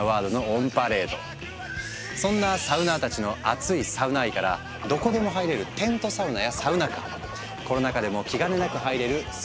そんなサウナーたちのアツいサウナ愛からどこでも入れる「テントサウナ」や「サウナカー」コロナ禍でも気兼ねなく入れる「ソロサウナ」